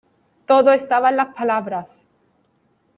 Todo estaba en las palabras.